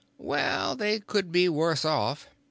"Well, they could be worse off.